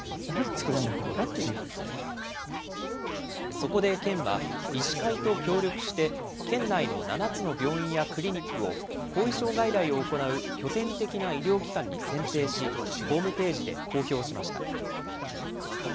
そこで県は、医師会と協力して、県内の７つの病院やクリニックを、後遺症外来を行う拠点的な医療機関に選定し、ホームページで公表しました。